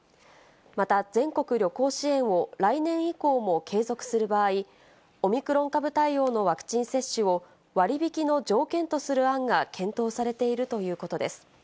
また、全国旅行支援を来年以降も継続する場合、オミクロン株対応のワクチン接種を、割引の条件とする案が検討されているということです。